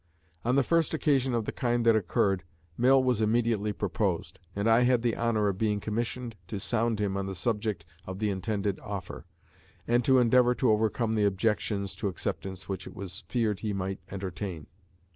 On the first occasion of the kind that occurred, Mill was immediately proposed; and I had the honor of being commissioned to sound him on the subject of the intended offer, and to endeavor to overcome the objections to acceptance which it was feared he might entertain.